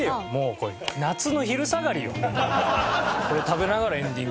これ食べながらエンディングなんですかね？